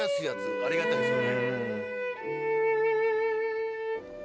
ありがたいですよね。